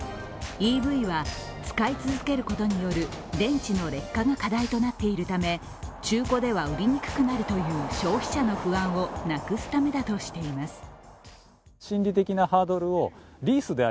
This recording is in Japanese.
ＥＶは使い続けることによる電池の劣化が課題となっているため中古では売りにくくなるという消費者の不安をなくすためだとしています。